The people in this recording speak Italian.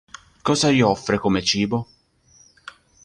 Cosa gli offre come cibo?